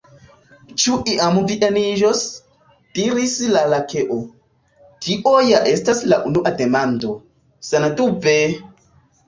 "Ĉu iam vi eniĝos?" diris la Lakeo. "Tio ja estas la unua demando." Sendube!